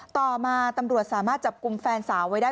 ต่อมาตำรวจสามารถจับกลุ่มแฟนสาวไว้ได้